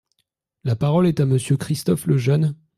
La parole est à Monsieur Christophe Lejeune.